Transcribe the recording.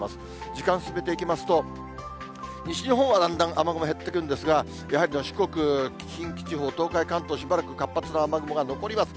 時間進めていきますと、西日本はだんだん雨雲減ってくるんですが、やはり四国、近畿地方、東海、関東、しばらく活発な雨雲が残ります。